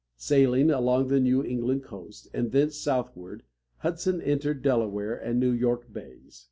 Sailing along the New England coast, and thence southward, Hudson entered Del´a ware and New York bays.